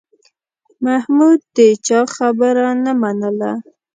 محمود د چا خبره نه منله.